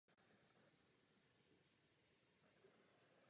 Starý zámek stojí přibližně ve středu velkého areálu.